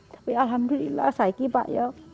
tapi alhamdulillah saiki pak